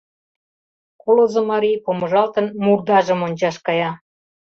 Колызо марий, помыжалтын, мурдажым ончаш кая.